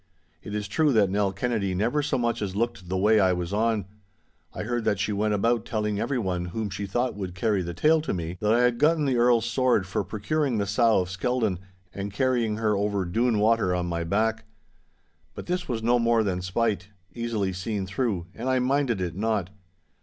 It is true that Nell Kennedy never so much as looked the way I was on. I heard that she went about telling everyone whom she thought would carry the tale to me, that I had gotten the Earl's sword for procuring the sow of Skeldon, and carrying her over Doon water on my back. But this was no more than spite, easily seen through, and I minded it not.